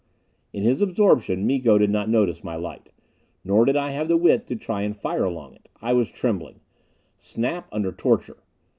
In his absorption Miko did not notice my light. Nor did I have the wit to try and fire along it. I was trembling. Snap under torture!